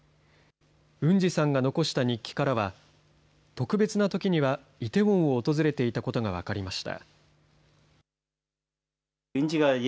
ウンジさんが残した日記からは、特別なときにはイテウォンを訪れていたことが分かりました。